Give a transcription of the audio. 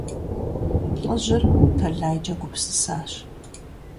Лӏыжьыр тэлайкӀэ гупсысащ.